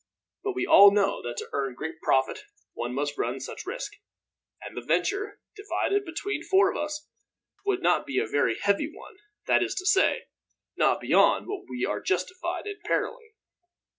But we all know that to earn great profit one must run such risk; and the venture, divided between four of us, would not be a very heavy one that is to say, not beyond what we are justified in periling.